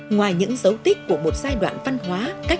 ngoài những dấu tích của một giai đoạn văn hóa